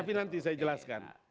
tapi nanti saya jelaskan